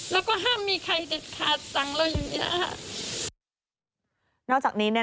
แล้วก็ห้ามมีใครเด็ดขาดสั่งเราอย่างนี้นะคะ